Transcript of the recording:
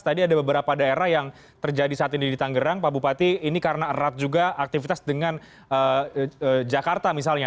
daerah yang terjadi saat ini di tangerang pak bupati ini karena erat juga aktivitas dengan jakarta misalnya